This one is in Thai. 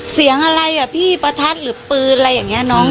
เสียงอะไรอ่ะพี่ประทัดหรือปืนอะไรอย่างนี้น้อง